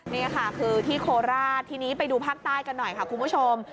นี่ค่ะคือที่โคราชทีนี้ไปดูภาคใต้กันหน่อยค่ะคุณผู้ชม